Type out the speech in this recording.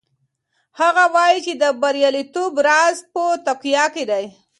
هغه وایي چې د بریالیتوب راز په تقوا کې دی.